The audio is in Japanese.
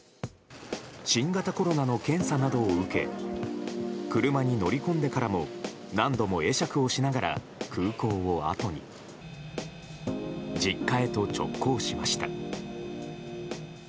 新型コロナの検査などを受け車に乗り込んでからも何度も会釈をしながら空港をあとに。実家へと直行しました。